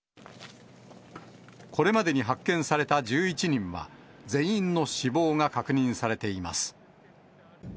これまでに発見された１１人は、全員の死亡が確認されています。